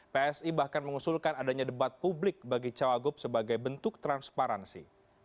psi bahkan mengusulkan adanya debat publik bagi cawagup sebagai bentuk transparansi